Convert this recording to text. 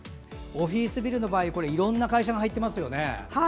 オフィスビルの場合いろいろテナント入ってますよね。